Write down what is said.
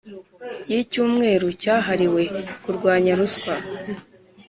y'icyumweru cyahariwe kurwanya ruswa.